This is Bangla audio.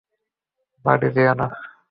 বাড়ি যেও না।